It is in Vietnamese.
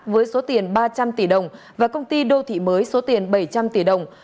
với số tiền ba trăm linh tỷ đồng và công ty đô thị mới số tiền bảy trăm linh tỷ đồng